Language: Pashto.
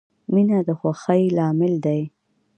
• مینه د خوښۍ لامل دی.